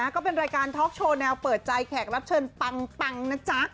ก็เป็นรายการท็อกโชว์แนวเปิดใจแขกรับเชิญปังนะจ๊ะ